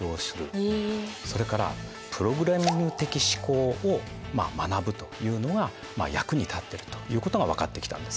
それからプログラミング的思考を学ぶというのが役に立ってるということが分かってきたんです。